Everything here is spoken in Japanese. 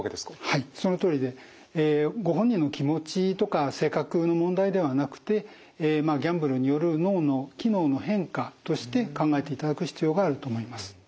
はいそのとおりでご本人の気持ちとか性格の問題ではなくてギャンブルによる脳の機能の変化として考えていただく必要があると思います。